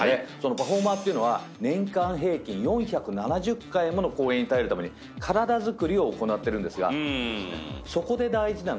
パフォーマーっていうのは年間平均４７０回もの公演に耐えるために体づくりを行ってるんですが。